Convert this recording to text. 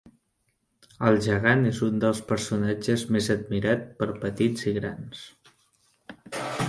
El Gegant és un dels personatges més admirat per petits i grans.